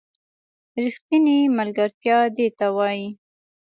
ریښتینې ملگرتیا دې ته وايي